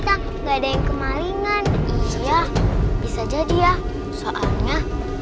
ada yang kemalingan iya bisa jadi ya